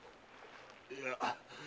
いや。